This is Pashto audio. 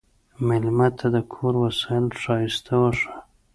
مېلمه ته د کور وسایل ښايسته وښیه.